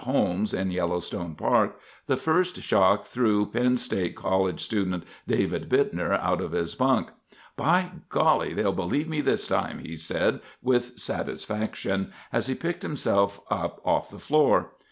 Holmes in Yellowstone Park, the first shock threw Penn State College student David Bittner out of his bunk. "By golly, they'll believe me this time," he said with satisfaction as he picked himself up off the floor.